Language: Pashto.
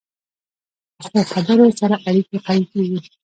پخو خبرو سره اړیکې قوي کېږي